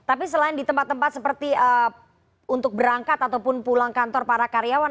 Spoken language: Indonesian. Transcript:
tapi selain di tempat tempat seperti untuk berangkat ataupun pulang kantor para karyawan